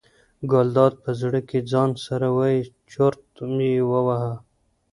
ګلداد په زړه کې ځان سره وایي چورت یې وواهه.